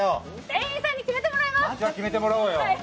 店員さんに決めてもらいましょう。